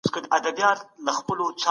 پخوانیو خلګو طبیعي شات چیرته پلورل؟